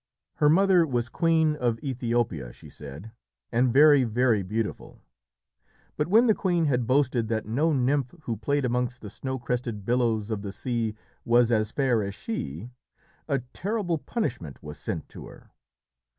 Her mother was queen of Ethiopia, she said, and very, very beautiful. But when the queen had boasted that no nymph who played amongst the snow crested billows of the sea was as fair as she, a terrible punishment was sent to her.